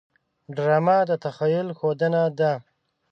ډرامه د تخیل ښودنه ده